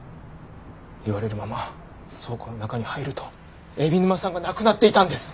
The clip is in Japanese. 言われるまま倉庫の中に入ると海老沼さんが亡くなっていたんです！